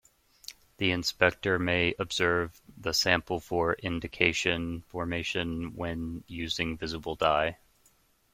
The inspector may observe the sample for indication formation when using visible dye.